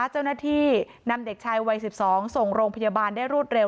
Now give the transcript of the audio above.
เจ้าหน้าที่นำเด็กชายวัย๑๒ส่งโรงพยาบาลได้รวดเร็ว